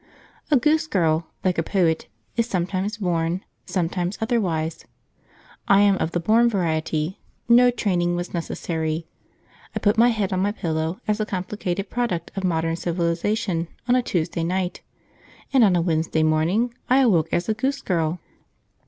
A Goose Girl, like a poet, is sometimes born, sometimes otherwise. I am of the born variety. No training was necessary; I put my head on my pillow as a complicated product of modern civilisation on a Tuesday night, and on a Wednesday morning I awoke as a Goose Girl.